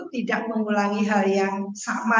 tidak mengulangi hal yang sama